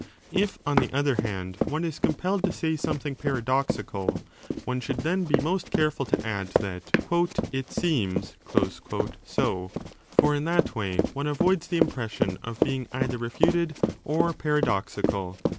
If, on the other hand, 25 one is compelled to say something paradoxical, one should then be most careful to add that it seems so : for in that way one avoids the impression of being either refuted or paradoxical.